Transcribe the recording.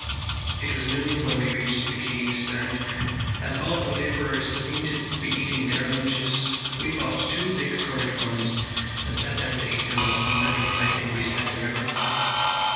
It was noon when we reached the quays and, as all the labourers seemed to be eating their lunches, we bought two big currant buns and sat down to eat them on some metal piping beside the river.